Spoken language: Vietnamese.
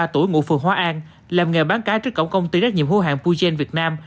bốn mươi ba tuổi ngủ phường hóa an làm nghề bán cái trước cổng công ty trách nhiệm hữu hạng puyen việt nam